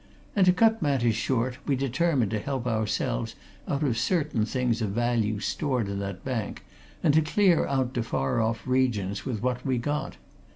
And to cut matters short, we determined to help ourselves out of certain things of value stored in that bank, and to clear out to far off regions with what we got.